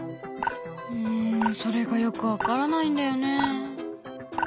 うんそれがよく分からないんだよね。